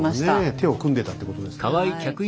手を組んでたってことですね。